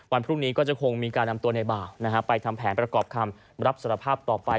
วันพรุ่งนี้ก็จะคงมีการนำตัวในบ่าวไปทำแผนประกอบคำรับสารภาพต่อไป